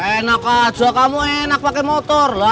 enak aja kamu enak pake motor lah